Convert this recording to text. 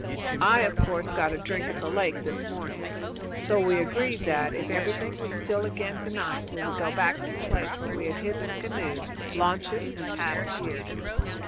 I, of course, got a drink at the lake this morning. So we agreed that, if everything was still again to night, we would go back to the place where we had hidden the canoe, launch it, and paddle here.